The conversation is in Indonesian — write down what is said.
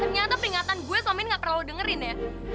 ternyata peringatan gue sama ini gak perlu lo dengerin ya